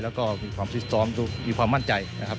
แล้วก็มีความฟิตซ้อมมีความมั่นใจนะครับ